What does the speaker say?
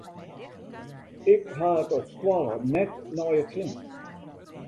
Ik ha it op skoalle net nei it sin.